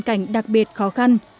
hoàn cảnh đặc biệt khó khăn